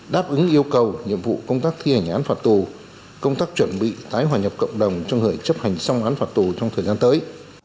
đáp ứng yêu cầu nhiệm vụ công tác thi hành án phạt tù công tác chuẩn bị tái hòa nhập cộng đồng cho người chấp hành xong án phạt tù trong thời gian tới